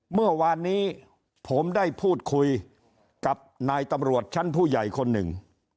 เมื่อวานนี้ผมได้พูดคุยกับนายตำรวจชั้นผู้ใหญ่คนหนึ่ง